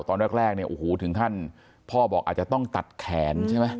ตอนแรกเนี่ยโอ้โหถึงขั้นพ่อบอกอาจจะต้องตัดแขนใช่ไหม